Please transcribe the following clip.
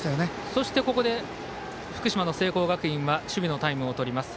そしてここで福島の聖光学院は守備のタイムをとります。